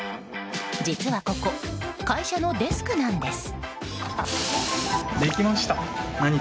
実はここ、会社のデスクなんです。